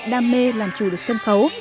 đam mê làm chủ được sân khấu